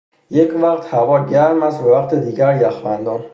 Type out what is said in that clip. یک وقت هوا گرم است و وقت دیگر یخبندان.